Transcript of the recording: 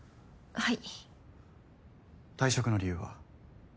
はい。